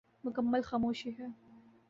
مکمل خاموشی ہے۔